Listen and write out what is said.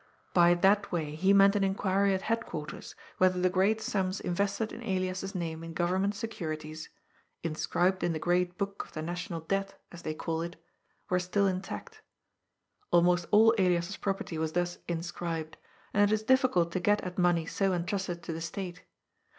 By " that way " he meant an inquiry at headquarters, whether the great sums invested in Elias's name in Govern ment securities — "inscribed in the Great Book of the National Debt," as they call it — were still intact. Almost r 400 GOD'S POOL. all Elifls^B property was thus '^ inscribed," and it is difficult to get at money so entrusted to the State.